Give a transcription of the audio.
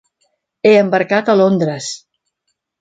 He embarcat a Londres.